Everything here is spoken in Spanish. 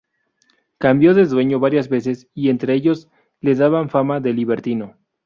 Cambió de dueño varias veces y entre ellos le daban fama de libertino.